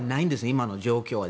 今の状況は。